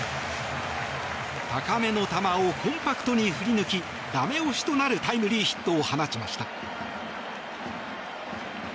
高めの球をコンパクトに振り抜き駄目押しとなるタイムリーヒットを放ちました。